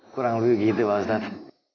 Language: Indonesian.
kurang lebih begitu pak ustadz